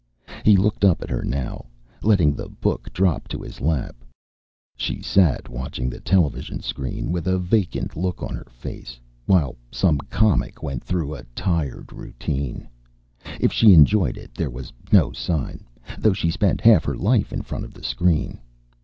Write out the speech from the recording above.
He looked up at her now, letting the book drop to his lap. She sat watching the television screen with a vacant look on her face, while some comic went through a tired routine. If she enjoyed it, there was no sign, though she spent half her life in front of the screen.